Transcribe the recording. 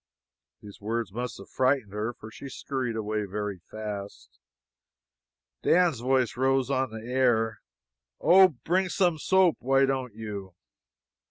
These words must have frightened her, for she skurried away very fast. Dan's voice rose on the air: "Oh, bring some soap, why don't you!"